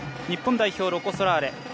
日本代表、ロコ・ソラーレ。